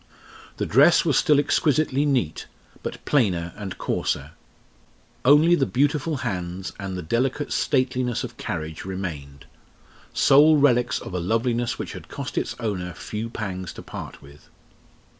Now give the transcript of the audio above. The dress was still exquisitely neat; but plainer and coarser. Only the beautiful hands and the delicate stateliness of carriage remained sole relics of a loveliness which had cost its owner few pangs to part with.